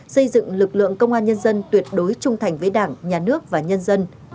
xây dựng lực lượng công an nhân dân tuyệt đối trung thành với đảng nhà nước và nhân dân